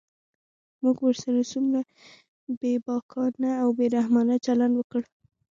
موږ ورسره څومره بېباکانه او بې رحمانه چلند وکړ.